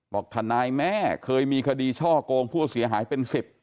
บอกทนายแม่เคยมีคดีช่อกงผู้เสียหายเป็น๑๐